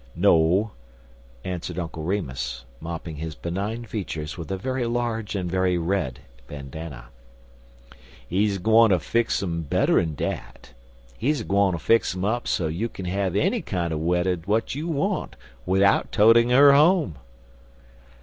"No," answered Uncle Remus, mopping his benign features with a very large and very red bandana. "He's a gwineter fix um better'n dat. He's a gwineter fix um up so you kin have any kinder wedder w'at you want widout totin' her home."